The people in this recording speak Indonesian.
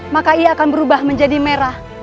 maka ia akan berubah menjadi merah